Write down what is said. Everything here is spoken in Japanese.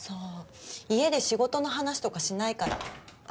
家で仕事の話とかしないから。